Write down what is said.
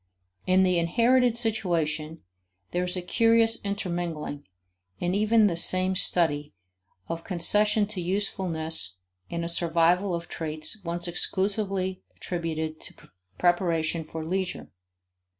In the inherited situation, there is a curious intermingling, in even the same study, of concession to usefulness and a survival of traits once exclusively attributed to preparation for leisure.